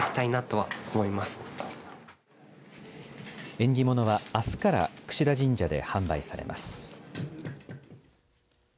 縁起物はあすから櫛田神社で販売されます。